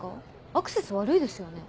アクセス悪いですよね。